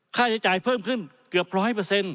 ค่าใช้จ่ายเพิ่มขึ้นเกือบ๑๐๐